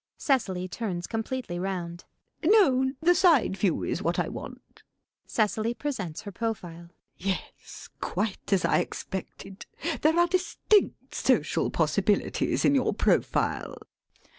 [Cecily turns completely round.] No, the side view is what I want. [Cecily presents her profile.] Yes, quite as I expected. There are distinct social possibilities in your profile.